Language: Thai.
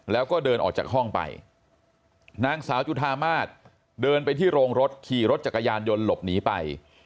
แล้วก็เดินออกจากห้องไปนางสาวจุธามาศเดินไปที่โรงรถขี่รถจักรยานยนต์หลบหนีไป